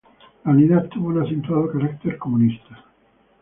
La unidad tuvo un acentuado carácter comunista.